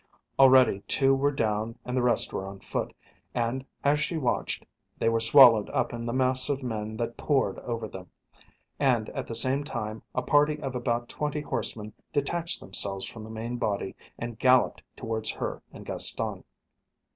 Already two were down and the rest were on foot, and, as she watched, they were swallowed up in the mass of men that poured over them, and, at the same time, a party of about twenty horsemen detached themselves from the main body and galloped towards her and Gaston.